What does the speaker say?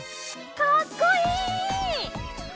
かっこいい！